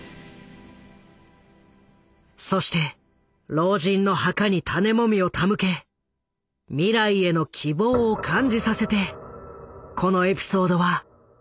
そして老人の墓に種モミを手向け未来への希望を感じさせてこのエピソードは幕を閉じる。